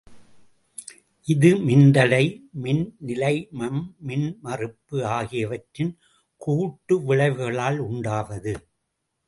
இது மின்தடை, மின்நிலைமம், மின்மறுப்பு ஆகியவற்றின் கூட்டு விளைவுகளால் உண்டாவது.